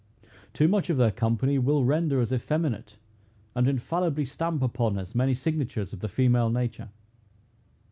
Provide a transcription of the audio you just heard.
Too much of their company will render us effeminate, and infallibly stamp upon us many signatures of the female nature.